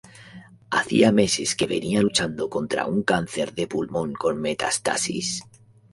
Hacía meses que venia luchando contra un cáncer de pulmón con metástasis.